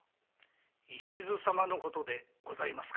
石津様のことでございますか？